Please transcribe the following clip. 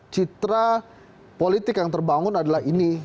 citra politik yang terbangun adalah ini